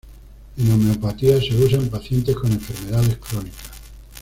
En homeopatía se usa en pacientes con enfermedades crónicas.